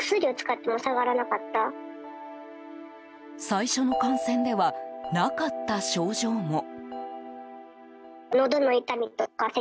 最初の感染ではなかった症状も。